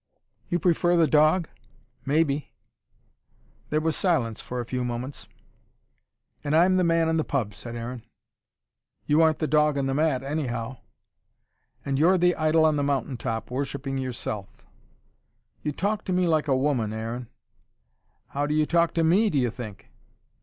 "You prefer the dog?" "Maybe." There was silence for a few moments. "And I'm the man in the pub," said Aaron. "You aren't the dog on the mat, anyhow." "And you're the idol on the mountain top, worshipping yourself." "You talk to me like a woman, Aaron." "How do you talk to ME, do you think?"